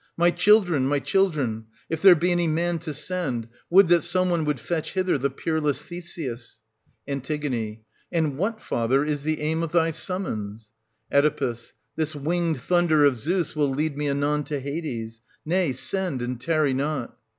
My children, my children ! If there be any man to send, would that some one would fetch hither the peerless Theseus ! An. And what, father, is the aim of thy summons } 1460 Oe. This winged thunder of Zeus will lead me anon to Hades : nay, send, and tarry not.